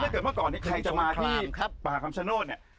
เพราะฉะนั้นถ้าเกิดเมื่อก่อนใครจะมาที่ป่าคำชะโนธนี่